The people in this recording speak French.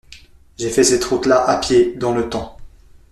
J'ai fait cette route-là, à pied, dans le temps.